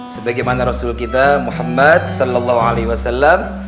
sebagaimana rasul kita muhammad sallallahu alaihi wasallam